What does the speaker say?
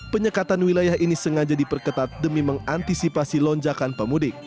penyekatan wilayah ini sengaja diperketat demi mengantisipasi lonjakan pemudik